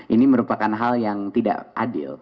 ini merupakan hal yang tidak adil